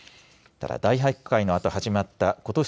ただ大発会のあと始まったことし